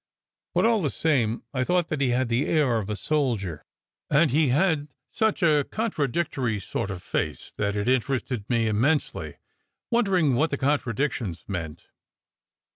But all the same I thought that he had the air of a soldier. And he had such a contradic tory sort of face that it interested me immensely, .wonder ing what the contradictions meant.